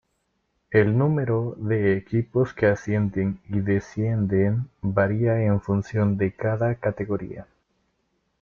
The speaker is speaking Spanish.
El número de equipos que ascienden y descienden varía en función de cada categoría.